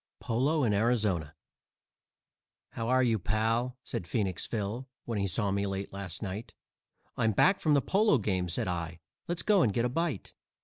POLO IN ARIZONA "How are you, pal?" said Phoenix Phil, when he saw me late last night; "I'm back from the polo game," said I, "let's go and get a bite."